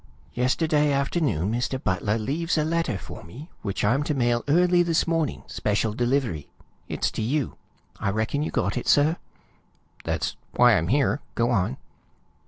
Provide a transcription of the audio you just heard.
Yesterday afternoon Mr. Butler leaves a letter for me, which I'm to mail early this morning, special delivery. It's to you. I reckon you got it, sir?" "That's why I'm here. Go on."